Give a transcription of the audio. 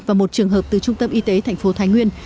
và một trường hợp từ trung tâm y tế thành phố thái nguyên